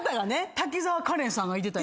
滝沢カレンさんがいてた。